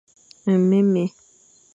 Nmémé.